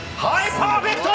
パーフェクト！